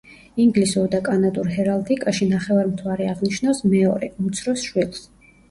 ინგლისურ და კანადურ ჰერალდიკაში ნახევარმთვარე აღნიშნავს მეორე, უმცროს შვილს.